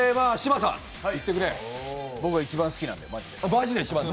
僕は一番好きなんで、マジで。